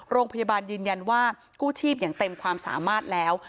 โรงพยาบาลยืนยันว่ากู้ชีพอย่างเต็มความสามารถแล้ว